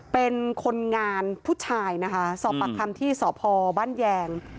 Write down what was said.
เป็นคนงานผู้ชายนะคะสอบปากคำที่สพบ้านแยง